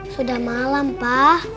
sudah malam pa